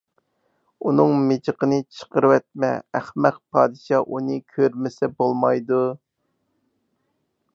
ئۇنىڭ مىجىقىنى چىقىرىۋەتمە، ئەخمەق پادىشاھ ئۇنى كۆرمىسە بولمايدۇ.